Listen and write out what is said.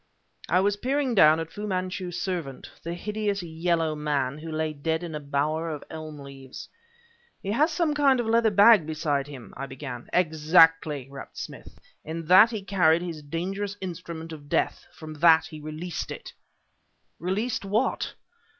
I was peering down at Fu Manchu's servant, the hideous yellow man who lay dead in a bower of elm leaves. "He has some kind of leather bag beside him," I began "Exactly!" rapped Smith. "In that he carried his dangerous instrument of death; from that he released it!" "Released what?"